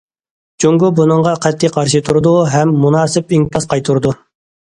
جۇڭگو بۇنىڭغا قەتئىي قارشى تۇرىدۇ ھەم مۇناسىپ ئىنكاس قايتۇرىدۇ.